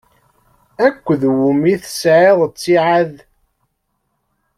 Akked wumi i yesɛa ttiɛad?